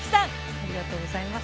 ありがとうございます